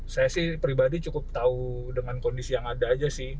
saya sih pribadi cukup tahu dengan kondisi yang ada aja sih